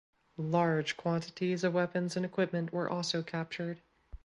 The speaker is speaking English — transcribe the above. Large quantities of weapons and equipment were also captured.